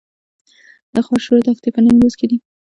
د خاشرود دښتې په نیمروز کې دي